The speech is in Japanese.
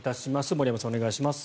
森山さん、お願いします。